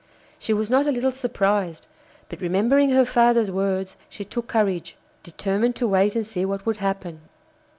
She was not a little surprised, but remembering her father's words, she took courage, determined to wait and see what would happen.